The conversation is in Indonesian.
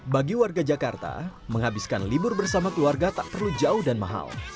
bagi warga jakarta menghabiskan libur bersama keluarga tak perlu jauh dan mahal